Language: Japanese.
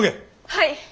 はい。